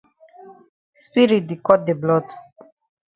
Spirit di cut de blood.